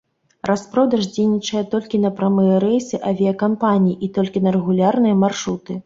Распродаж дзейнічае толькі на прамыя рэйсы авіякампаніі і толькі на рэгулярныя маршруты.